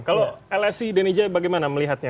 kalau lsi dan ej bagaimana melihatnya